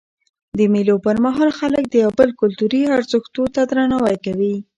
د مېلو پر مهال خلک د یو بل کلتوري ارزښتو ته درناوی کوي.